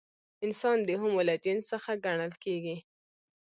انسان د هومو له جنس څخه ګڼل کېږي.